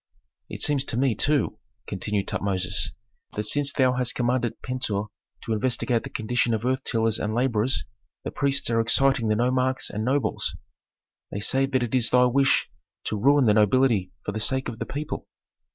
"It seems to me, too," continued Tutmosis, "that since thou hast commanded Pentuer to investigate the condition of earth tillers and laborers the priests are exciting the nomarchs and nobles. They say that it is thy wish to ruin the nobility for the sake of the people."